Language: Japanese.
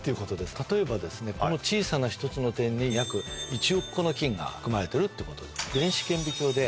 例えばこの小さな１つの点に約１億個の菌が含まれてるってことです。